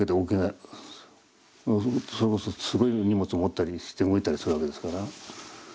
それこそすごい荷物を持ったりして動いたりするわけですから。